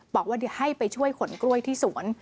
บอกว่าให้ไปช่วยขนกล้วยที่สวน